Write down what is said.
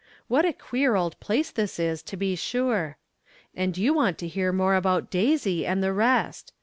What a queer old place this is, to be sure ! And you want to hear more about Daisy and the rest